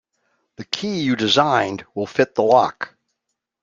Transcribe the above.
The key you designed will fit the lock.